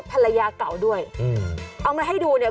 ภรรยาเก่าด้วยอืมเอามาให้ดูเนี่ย